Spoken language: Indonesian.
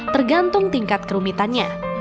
tergantung tingkat kerumitannya